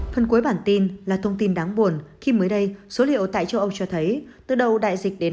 phần cuối bản tin là thông tin đáng buồn khi mới đây số liệu tại châu âu cho thấy từ đầu đại dịch đến